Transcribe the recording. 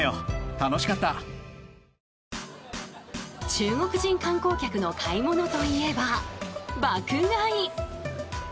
中国人観光客の買い物といえば爆買い。